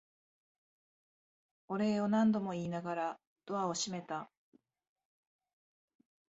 お礼を何度も言いながらドアを閉めた。